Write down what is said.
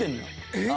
えっ？